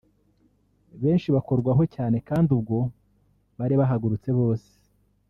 benshi bakorwaho cyane kandi ubwo hari bahagurutse bose